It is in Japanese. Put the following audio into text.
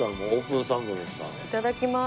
いただきます。